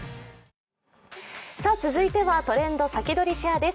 続いては「トレンドさきどり＃シェア」です。